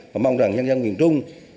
và mong rằng nhân dân miền trung